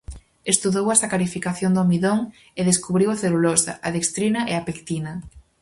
Estudou a sacarificación do amidón, e descubriu a celulosa, a dextrina e a pectina.